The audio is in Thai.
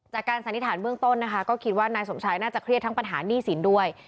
สันนิษฐานเบื้องต้นนะคะก็คิดว่านายสมชายน่าจะเครียดทั้งปัญหาหนี้สินด้วย